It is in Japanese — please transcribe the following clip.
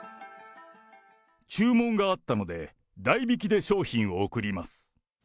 注文があったので、代引きで商品を送ります。